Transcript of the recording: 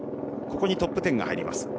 ここにトップ１０が入ります。